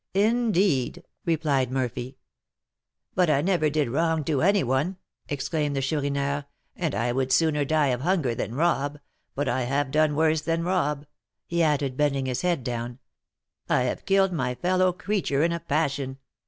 "Indeed!" replied Murphy. "But I never did wrong to any one," exclaimed the Chourineur; "and I would sooner die of hunger than rob; but I have done worse than rob," he added, bending his head down; "I have killed my fellow creature in a passion.